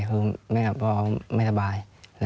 แม่กลัวแม่กลัวเขาไม่สบาย